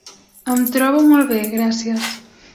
Em trobo molt bé, gràcies.